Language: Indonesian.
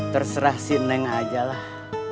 terserah si neng ajalah